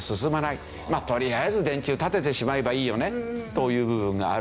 とりあえず電柱建ててしまえばいいよねという部分がある。